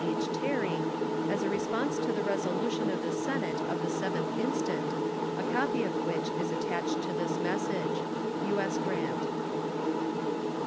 H. Terry, as a response to the resolution of the Senate of the 7th instant, a copy of which is attached to this message. U.S. GRANT.